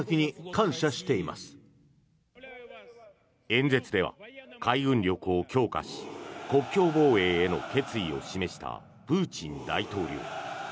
演説では、海軍力を強化し国境防衛への決意を示したプーチン大統領。